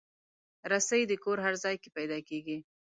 رسۍ د کور هر ځای کې پیدا کېږي.